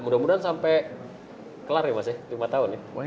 mudah mudahan sampai kelar ya mas